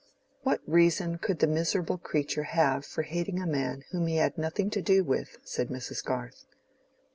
"What reason could the miserable creature have for hating a man whom he had nothing to do with?" said Mrs. Garth.